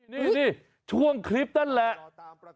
นี่ช่วงคลิปนั่นแหละ